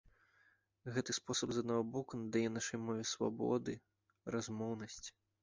Гэты спосаб з аднаго боку надае нашай мове свабоды, размоўнасці.